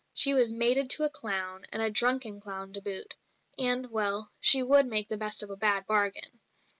She was "mated to a clown," and a drunken clown to boot and, well, she would make the best of a bad bargain.